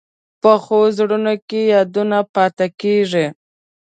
پخو زړونو کې یادونه پاتې کېږي